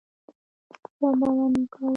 هیچا باور نه کاوه.